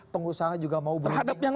pengusaha juga mau berunding